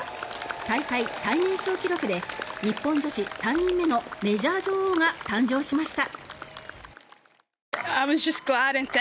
大会最年少記録で日本女子３人目のメジャー女王が誕生しました。